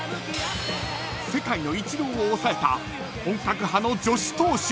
［世界のイチローを抑えた本格派の女子投手］